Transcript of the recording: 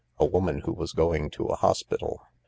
"A woman who was going to a hospital.